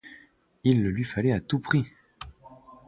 Il le lui fallait à tout prix!